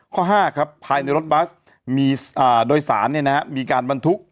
ข้อห้าครับภายในรถบัสมีอ่าโดยสารเนี้ยนะฮะมีการบรรทุก